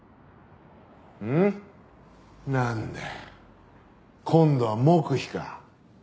なんだよ今度は黙秘か。